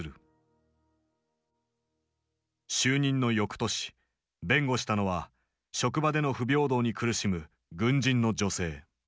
就任のよくとし弁護したのは職場での不平等に苦しむ軍人の女性。